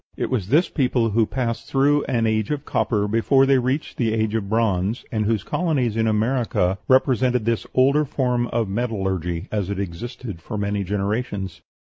It was this people who passed through an age of copper before they reached the age of bronze, and whose colonies in America represented this older form of metallurgy as it existed for many generations.